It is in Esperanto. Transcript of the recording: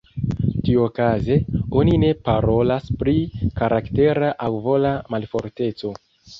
Tiuokaze, oni ne parolas pri karaktera aŭ vola malforteco.